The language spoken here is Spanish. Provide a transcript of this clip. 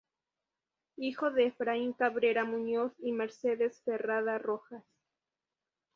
Hijo de Efraín Cabrera Muñoz y Mercedes Ferrada Rojas.